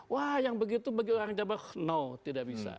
wah yang begitu bagi orang jabar no tidak bisa